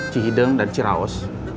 cihideng dan ci raus